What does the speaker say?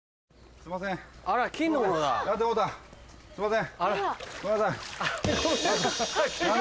すんません。